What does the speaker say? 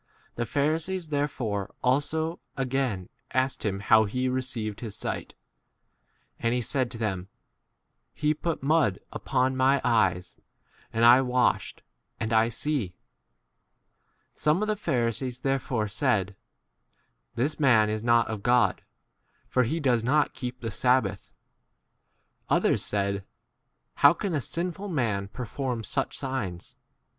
15 The Pharisees therefore also again asked him how he received his sight. And he said to them, He put mud upon my eyes, and I 16 washed, and I see. Some of the Pharisees therefore said, This man is not of God, for he does not keep the sabbath. Others said, How can a sinful man perform such signs